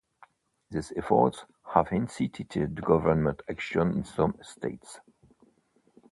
These efforts have incited government action in some states.